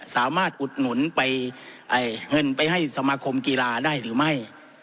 อุดหนุนไปเงินไปให้สมาคมกีฬาได้หรือไม่